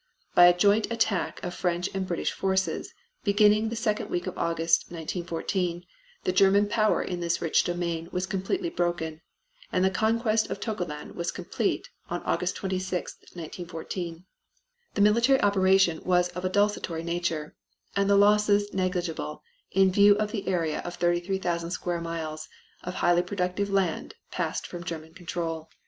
By a joint attack of French and British forces, beginning the second week in August, 1914, the German power in this rich domain was completely broken, and the conquest of Togoland was complete on August 26, 1914. The military operation was of a desultory nature, and the losses negligible in view of the area of 33,000 square miles of highly productive land passed from German control.